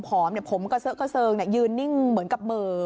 ผมก็เซอะกระเซิงยืนนิ่งเหมือนกับเหมือ